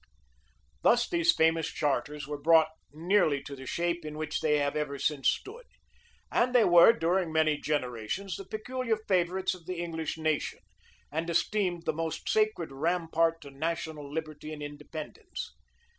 Thus these famous charters were brought nearly to the shape in which they have ever since stood; and they were, during many generations, the peculiar favorites of the English nation, and esteemed the most sacred rampart to national liberty and independence.